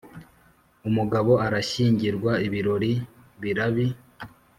Umugabo arashyingirwa ibirori birabi.